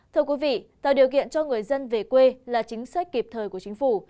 thưa quý vị tạo điều kiện cho người dân về quê là chính sách kịp thời của chính phủ